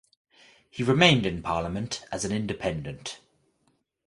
He remained in parliament as an independent.